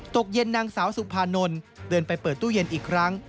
ตกเย็นนางสาวสุภานนท์เดินไปเปิดตู้เย็นอีกครั้ง